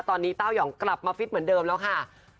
ตอนนี้เต้ายองกลับมาฟิตเหมือนเดิมแล้วค่ะ